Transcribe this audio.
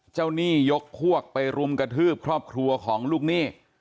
หนี้ยกพวกไปรุมกระทืบครอบครัวของลูกหนี้